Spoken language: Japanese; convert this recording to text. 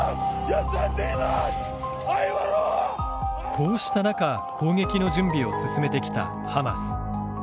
こうした中攻撃の準備を進めてきたハマス。